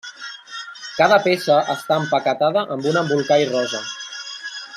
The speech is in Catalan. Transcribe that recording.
Cada peça està empaquetada amb un embolcall rosa.